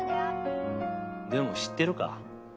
でも知ってるか？